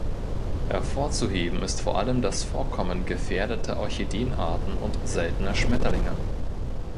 Hervorzuheben ist vor allem das Vorkommen gefährdeter Orchideenarten und seltener Schmetterlinge.